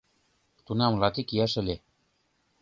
Тунам латик ияш ыле.